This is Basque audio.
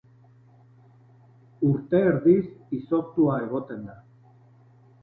Urte erdiz izoztua egoten da.